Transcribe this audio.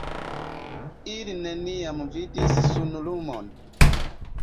Ili neniam vidis sunlumon.